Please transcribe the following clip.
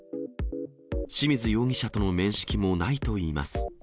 清水容疑者との面識もないといいます。